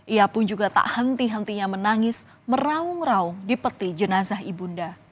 ia pun juga tak henti hentinya menangis meraung raung di peti jenazah ibunda